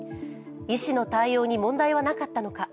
医師の対応に問題はなかったのか。